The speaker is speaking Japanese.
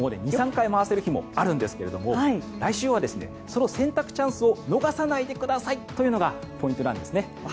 ２３回回せる日もあるんですが来週はその洗濯チャンスを逃さないでくださいというのがポイントなんですね。